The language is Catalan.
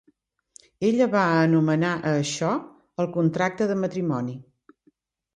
Ella va anomenar a això el contracte de matrimoni.